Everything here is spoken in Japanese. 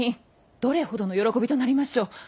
どれほどの喜びとなりましょう。